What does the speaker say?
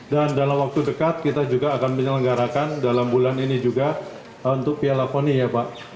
dan dalam waktu dekat kita juga akan menyelenggarakan dalam bulan ini juga untuk piala poni ya pak